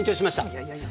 いやいやいや。